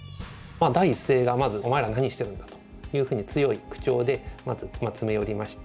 第一声がまず「お前ら何してるんだ！」というふうに強い口調でまず詰め寄りまして。